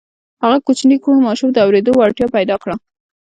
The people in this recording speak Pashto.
هغه کوچني کوڼ ماشوم د اورېدو وړتیا پیدا کړه